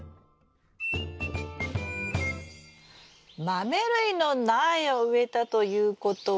マメ類の苗を植えたということは？